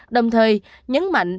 đồng thời nhấn mạnh